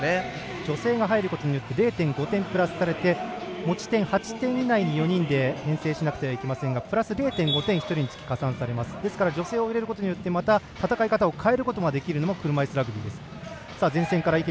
女性が入ることによって０．５点、プラスされて持ち点８点以内に４人で編成しなければなりませんがプラス０．５点１人につき加算されますので、女性を入れることによって戦い方を変えることができるのも車いすラグビーです。